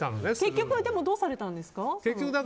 結局はどうされたんですか？